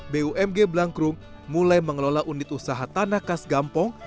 bumg blangkrum mulai mengelola unit usaha tanah khas gampong